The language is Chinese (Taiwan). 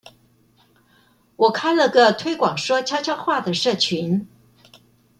我開了個推廣說悄悄話的社群